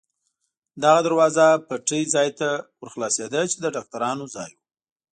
دغه دروازه پټۍ ځای ته ور خلاصېده، چې د ډاکټرانو ځای و.